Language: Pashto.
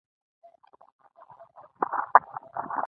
په ماڼۍ کې د مختلفو خدایانو بتان نقش شوي وو.